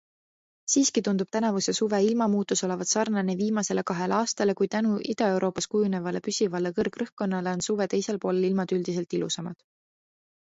Siiski tundub tänavuse suve ilmamuutus olevat sarnane viimasele kahele aastale, kui tänu Ida-Euroopas kujunevale püsivale kõrgrõhkkonnale on suve teisel poolel ilmad üldiselt ilusamad.